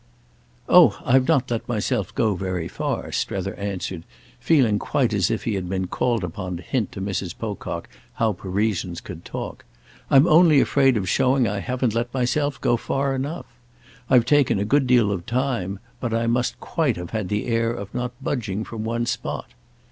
"Oh I've not let myself go very far," Strether answered, feeling quite as if he had been called upon to hint to Mrs. Pocock how Parisians could talk. "I'm only afraid of showing I haven't let myself go far enough. I've taken a good deal of time, but I must quite have had the air of not budging from one spot."